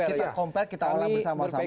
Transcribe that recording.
kita compare kita olah bersama sama